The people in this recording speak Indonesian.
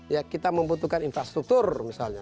ya kita membutuhkan infrastruktur misalnya